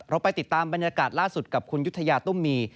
ไปติดตามบรรยากาศล่าสุดกับคุณยุธยาตุ้มมี